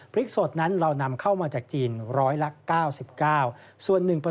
ผลิตสดนั้นเรานำเข้ามาจากจีน๑๙๙ล้านกิโลกรัม